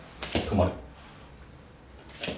止まる。